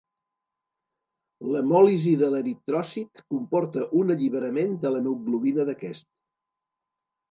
L'hemòlisi de l'eritròcit comporta un alliberament de l'hemoglobina d'aquest.